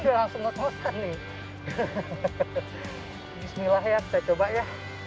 udah langsung nge nose kan nih bismillah ya kita coba ya